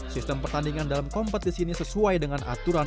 sistem pertandingan dalam kompetisi ini sesuai dengan aturan